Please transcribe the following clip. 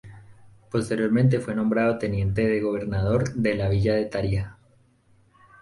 Posteriormente fue nombrado teniente de gobernador de la villa de Tarija.